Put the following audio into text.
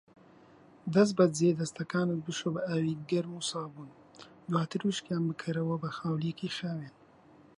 دەستبەجی دەستەکانت بشۆ بە ئاوی گەرم و سابوون، دواتر وشکیان بکەرەوە بە خاولیەکی خاوین.